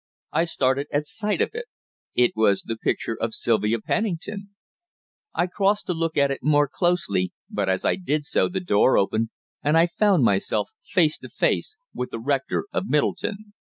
I started at sight of it. It was the picture of Sylvia Pennington! I crossed to look at it more closely, but as I did so the door opened, and I found myself face to face with the rector of Middleton.